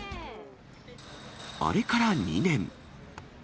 あれから２年。